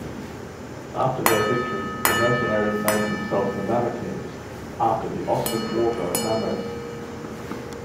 After their victory, the mercenaries named themselves the Mamertines after the Oscan war-god Mamers.